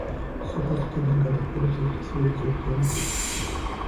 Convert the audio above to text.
სოფელს მთიდან გადაჰყურებს ეკლესია და ზურგიანი ციხე.